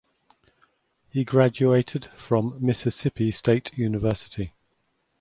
He graduated from Mississippi State University.